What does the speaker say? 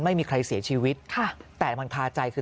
ไม่มีใครเสียชีวิตค่ะแต่มันคาใจคือ